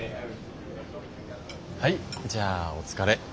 はいじゃあお疲れ。